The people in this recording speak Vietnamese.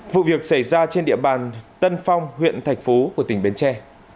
vụ việc xảy ra trên địa bàn tân phong huyện thạch phú của tỉnh bến tre